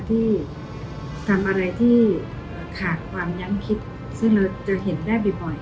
ที่ทำอะไรที่ขาดความยั้งคิดซึ่งเราจะเห็นได้บ่อย